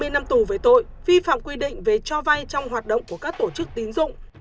hai mươi năm tù về tội vi phạm quy định về cho vay trong hoạt động của các tổ chức tín dụng